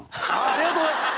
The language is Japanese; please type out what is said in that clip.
ありがとうございます！